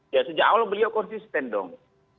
ya sejak awal beliau konsisten dong